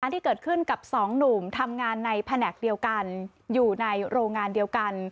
ที่เกิดขึ้นกับสองหนุ่มทำงานในแผนกเดียวกันอยู่ในโรงงานเดียวกัน